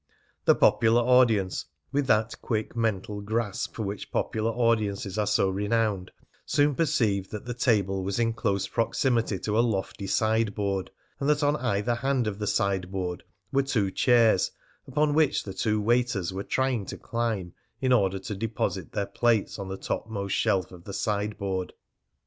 The popular audience, with that quick mental grasp for which popular audiences are so renowned, soon perceived that the table was in close proximity to a lofty sideboard, and that on either hand of the sideboard were two chairs, upon which the two waiters were trying to climb in order to deposit their plates on the top most shelf of the sideboard.